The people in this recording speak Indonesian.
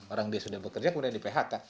orang dia sudah bekerja kemudian di phk